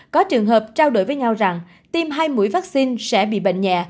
có trường hợp trao đổi với nhau rằng tiêm hai mũi vaccine sẽ bị bệnh nhẹ